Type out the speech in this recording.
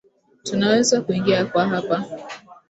Tunaweza kuingia kwa hapa.